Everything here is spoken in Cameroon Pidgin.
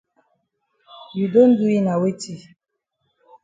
You don do yi na weti?